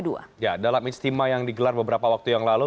dalam istimewa yang digelar beberapa waktu yang lalu